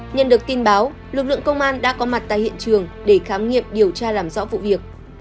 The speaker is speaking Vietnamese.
nhận được tin báo lực lượng công an đã có mặt tại hiện trường để khám nghiệm điều tra làm rõ vụ việc